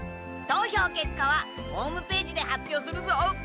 投票けっかはホームページで発表するぞ！